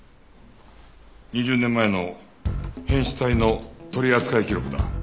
２０年前の変死体の取り扱い記録だ。